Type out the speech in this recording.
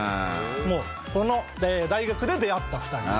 もうこの大学で出会った２人。